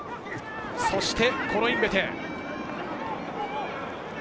そしてコロインベテ。